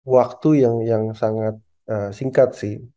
waktu yang sangat singkat sih